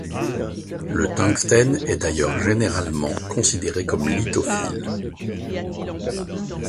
Le tungstène est d'ailleurs généralement considéré comme lithophile.